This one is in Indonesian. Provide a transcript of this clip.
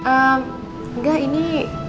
em enggak ini